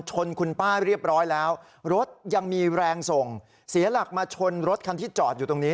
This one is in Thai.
ชนคุณป้าเรียบร้อยแล้วรถยังมีแรงส่งเสียหลักมาชนรถคันที่จอดอยู่ตรงนี้